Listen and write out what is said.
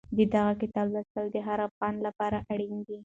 د دغه کتاب لوستل د هر افغان لپاره اړین دي.